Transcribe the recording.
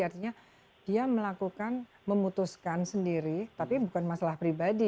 artinya dia melakukan memutuskan sendiri tapi bukan masalah pribadi